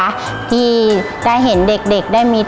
ทางโรงเรียนยังได้จัดซื้อหม้อหุงข้าวขนาด๑๐ลิตร